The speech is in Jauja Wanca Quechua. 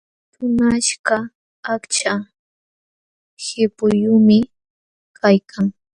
Tunaśhkaq achka qipuyuqmi kaykan.